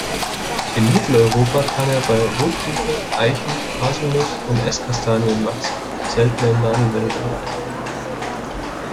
In Mitteleuropa kann er bei Rotbuche, Eichen, Haselnuss und Esskastanie wachsen, seltener in Nadelwäldern.